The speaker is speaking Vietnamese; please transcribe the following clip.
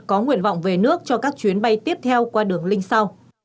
có nguyện vọng về nước cho các chuyến bay tiếp theo qua đường linh sao